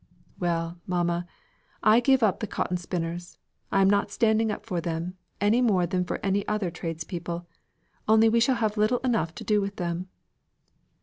"Well, mamma, I give up the cotton spinners; I am not standing up for them, any more than for any other trades people. Only we shall have little enough to do with them."